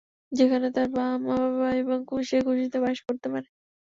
যেখানে তার মা বাবা এবং সে খুশিতে বাস করতে পারে।